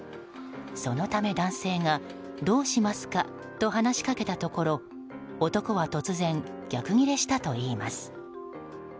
そのため、男性がどうしますかと話しかけたところ男は突然、逆ギレしたといいます。